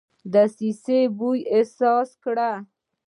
دسیسې بوی احساس کړ.